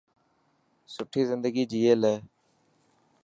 سٺي زندگي جئي لي.